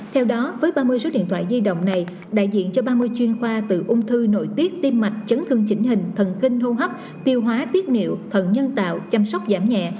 theo đó với ba mươi số điện thoại di động này đại diện cho ba mươi chuyên khoa từ ung thư nội tiết tim mạch chấn thương chỉnh hình thần kinh hô hấp tiêu hóa tiết niệu thần nhân tạo chăm sóc giảm nhẹ